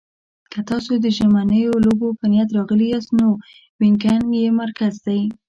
که تاسو د ژمنیو لوبو په نیت راغلي یاست، نو وینګن یې مرکز دی.